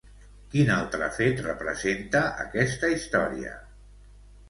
Quin altre fet representa aquesta història?